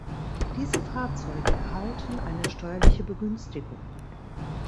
Diese Fahrzeuge erhalten eine steuerliche Begünstigung.